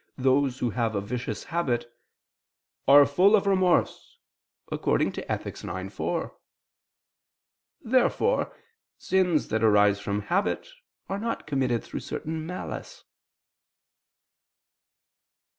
those who have a vicious habit, "are full of remorse" (Ethic. ix, 4). Therefore sins that arise from habit are not committed through certain malice.